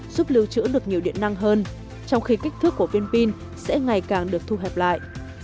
giúp lưu trữ được nhiều điện năng hơn trong khi kích thước của vin pin sẽ ngày càng được thu hẹp lại